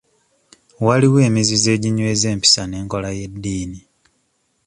Waliwo emizizo eginyweza empisa n'enkola y'eddiini.